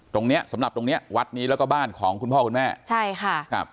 ตรงเนี้ยสำหรับตรงเนี้ยวัดนี้แล้วก็บ้านของคุณพ่อคุณแม่ใช่ค่ะครับ